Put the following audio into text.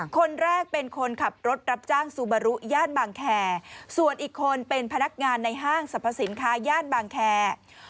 คนแรกเป็นคนขับรถรับจ้างซูบารุย่านบางแค